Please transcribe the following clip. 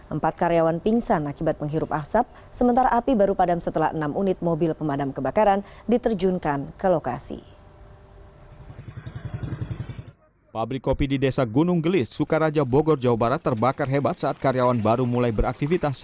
empat karyawan pingsan akibat menghirup asap sementara api baru padam setelah enam unit mobil pemadam kebakaran diterjunkan ke lokasi